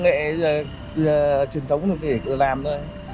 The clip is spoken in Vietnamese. nghệ truyền thống được để làm thôi